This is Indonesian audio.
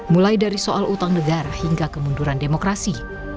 mulai dari soal utang negara hingga kemunduran demokrasi